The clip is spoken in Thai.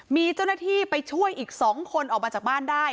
มีเจ้าหน้าที่ไปช่วยอีก๒คนออกมาจากบ้านได้